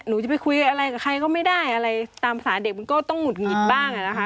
หนูจะไปคุยอะไรกับใครก็ไม่ได้อะไรตามภาษาเด็กมันก็ต้องหุดหงิดบ้างอะนะคะ